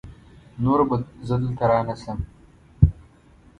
نور به زه دلته رانشم!